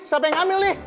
siapa yang ngambil nih